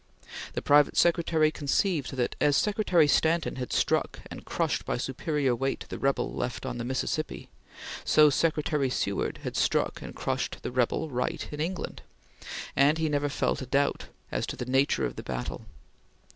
The private secretary conceived that, as Secretary Stanton had struck and crushed by superior weight the rebel left on the Mississippi, so Secretary Seward had struck and crushed the rebel right in England, and he never felt a doubt as to the nature of the battle.